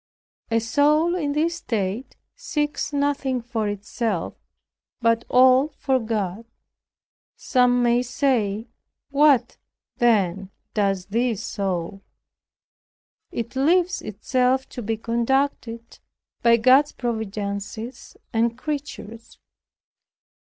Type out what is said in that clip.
A soul in this state seeks nothing for itself, but all for God. Some may say, "What, then, does this soul?" It leaves itself to be conducted by God's providences and creatures.